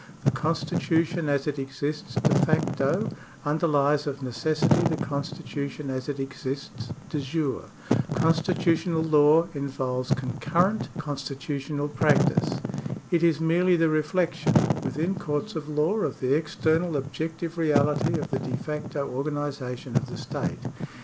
The constitution as it exists de facto underhes of necessity the constitution as it exists de jiire. Constitutional law involves concurrent 108 THE STATE [§ 40 constitutional practice. It is merely the reflection, within courts of law, of the external objective reality of the de facto organisation of the state.